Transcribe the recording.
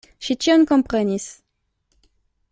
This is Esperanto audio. Ŝi ĉion komprenis.